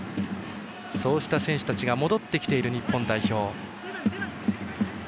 そうした選手たちが戻ってきている、日本代表。